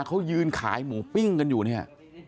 เขายืนขายหมูปิ้งกันอยู่เนี่ย